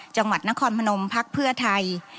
จังหวัดนครพนมพักเพื่อไทย